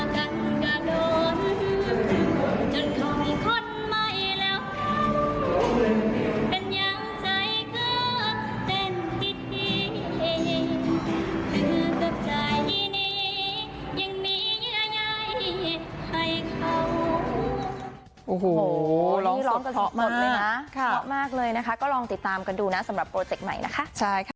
เพื่อกับใจที่นี่ยังมีเยอะใหญ่ให้เขา